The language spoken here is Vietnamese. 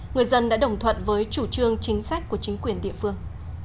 người dân đã đồng thuận với chủ trương chính sách của chính quyền địa phương